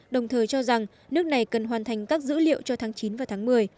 đồng thời cho rằng nước này cần hoàn thành các dữ liệu cho tháng chín và tháng một mươi